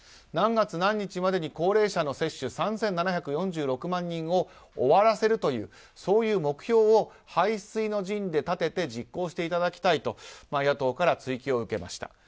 何月何日までに高齢者の接種３７４６万人を終わらせるというそういう目標を背水の陣で立てて実行していただきたいと野党から追及を受けました。